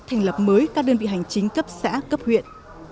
thành lập mới các đơn vị hành chính cấp xã cấp huyện